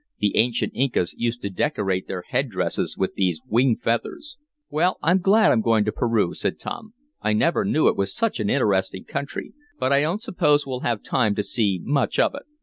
The ancient Incas used to decorate their head dresses with these wing feathers." "Well, I'm glad I'm going to Peru," said Tom. "I never knew it was such an interesting country. But I don't suppose we'll have time to see much of it."